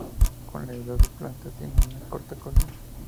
Con la edad las plantas tienen una corta columna.